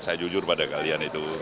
saya jujur pada kalian itu